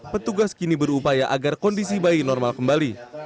petugas kini berupaya agar kondisi bayi normal kembali